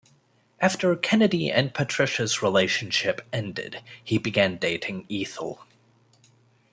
After Kennedy and Patricia's relationship ended, he began dating Ethel.